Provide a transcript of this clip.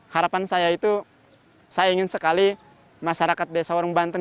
harapan saya itu saya ingin sekali masyarakat desa warung banten